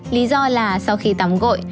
lý do là sau khi tắm gội